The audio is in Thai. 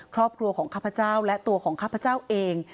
ครอบครัวของข้าพเจ้าและตัวของข้าพเจ้าเอง